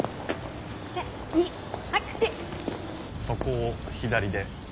そこを左で。